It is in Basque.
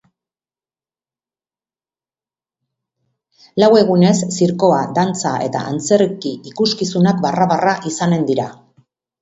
Lau egunez, zirkoa, dantza eta antzerki ikuskizunak barra-barra izanen dira.